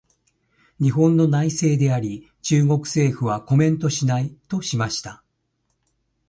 「日本の内政であり、中国政府はコメントしない」としました。